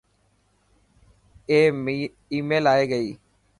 آي ميل ائي گئي.